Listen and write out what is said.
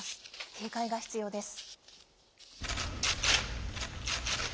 警戒が必要です。